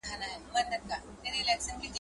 د پوهې په واسطه نړۍ جوړه کړئ.